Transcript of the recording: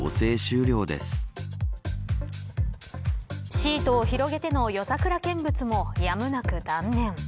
シートを広げての夜桜見物もやむなく断念。